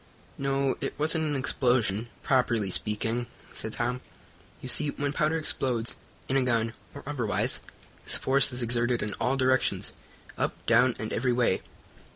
"No, it wasn't an explosion, properly speaking," said Tom. "You see, when powder explodes, in a gun, or otherwise, its force is exerted in all directions, up, down and every way."